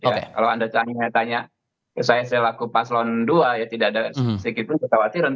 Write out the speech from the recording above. kalau anda tanya tanya saya selaku paslon dua ya tidak ada sedikitpun kekhawatiran